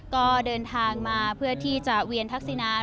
ก็เดินทางมาเพื่อที่จะเวียนทักษินา